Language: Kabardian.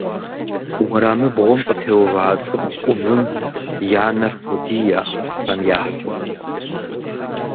Уэрамыбгъум къытеува цӏыху ӏувым я нэр тодие кхъэм яхьым.